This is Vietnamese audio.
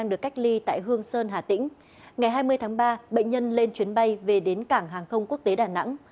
ngày hai mươi tháng ba bệnh nhân lên chuyến bay về đến cảng hàng không quốc tế đà nẵng